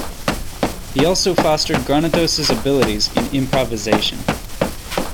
He also fostered Granados's abilities in improvisation.